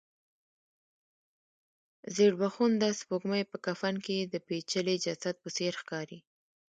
زېړبخونده سپوږمۍ په کفن کې د پېچلي جسد په څېر ښکاریږي.